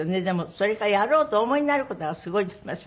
それからやろうとお思いになる事がすごいと思いますよ。